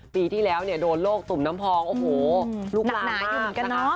ปีที่แล้วโดนโรคตุ่มน้ำพองโอ้โหลุกหลากมาก